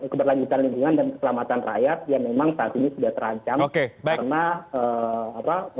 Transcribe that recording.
keberlanjutan lingkungan dan keselamatan rakyat yang memang saat ini sudah terancam karena apa